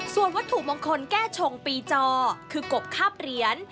ส่วนวัตถุมงคลแก้ชงปีจอคือกบคาบเหรียญ